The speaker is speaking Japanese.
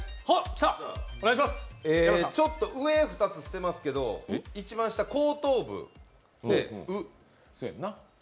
ちょっと上２つ捨てますけど一番下こうとうぶで、「う」。